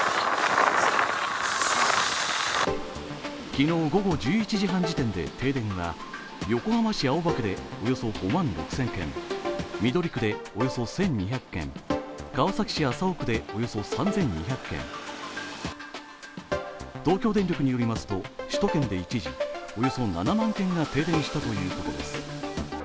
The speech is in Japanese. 昨日午後１１時半時点で停電は横浜市青葉区でおよそ５万６０００軒、緑区でおよそ１２００軒、川崎市麻生区でおよそ３２００軒、東京電力によりますと、首都圏で一時、およそ７万軒が停電したということです。